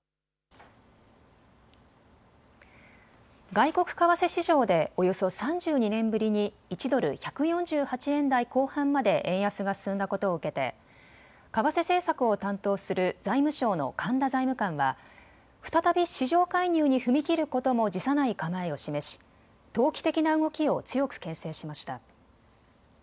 外国為替市場でおよそ３２年ぶりに１ドル１４８円台後半まで円安が進んだことを受けて為替政策を担当する財務省の神田財務官は再び市場介入に踏み切ることも辞さない構えを示し投機的な動きを強くけん制しました。